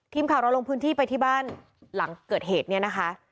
ทีมข่าวเราลงพื้นที่ไปที่บ้านหลังเกิดเหตุเนี่ยนะคะ